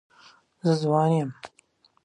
زه ځوان یم.